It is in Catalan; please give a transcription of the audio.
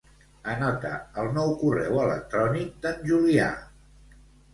Anota el nou correu electrònic d'en Julià.